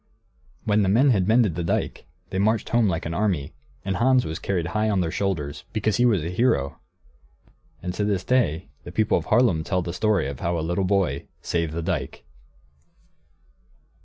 When the men had mended the dike, they marched home like an army, and Hans was carried high on their shoulders, because he was a hero. And to this day the people of Haarlem tell the story of how a little boy saved the dike.